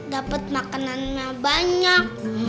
dapet makanannya banyak